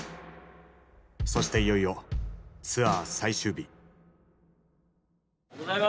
そしていよいよツアー最終日。